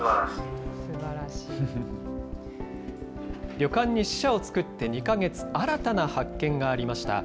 旅館に支社を作って２か月、新たな発見がありました。